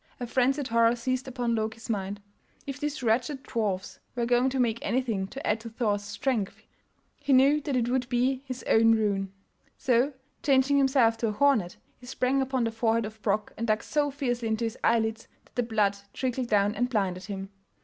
A frenzied horror seized upon Loki's mind. If these wretched dwarfs were going to make anything to add to Thor's strength he knew that it would be his own ruin. So, changing himself to a hornet, he sprang upon the forehead of Brok, and dug so fiercely into his eyelids that the blood trickled down and blinded him.